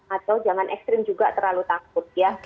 atau jangan ekstrim juga terlalu takut ya